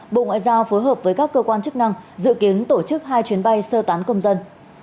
bộ ngoại giao phối hợp với các cơ quan chức năng dự kiến tổ chức hai chuyến bay sơ tán công dân